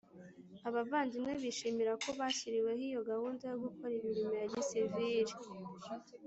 Abavandimwe bishimira ko bashyiriweho iyo gahunda yo gukora imirimo ya gisivili